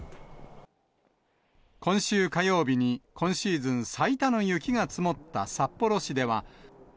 今週火曜日に今シーズン最多の雪が積もった札幌市では。